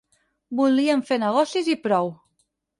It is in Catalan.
Volien fer negocis i prou.